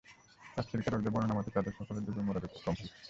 তাফসীরকারদের বর্ণনা মতে, তাদের সকলের ডুবে মরার উপক্রম হল।